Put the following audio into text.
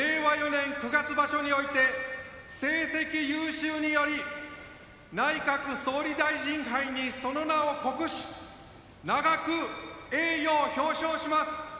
４年九月場所において成績優秀により内閣総理大臣杯にその名を刻し永く名誉を表彰します。